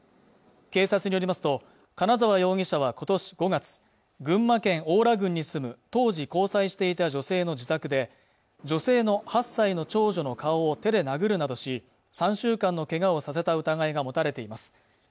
警察によりますと金沢容疑者は今年５月群馬県邑楽郡に住む当時交際していた女性の自宅で女性の８歳の長女の顔を手で殴るなどし３週間のけがをさせた疑いが持たれています